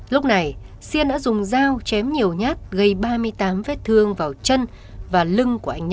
lúc này xiên đã dùng dao chém nhiều nhát gây ba mươi tám vết thương vào vợ